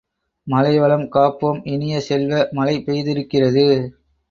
மழைவளம் காப்போம் இனிய செல்வ, மழை பெய்திருக்கிறது.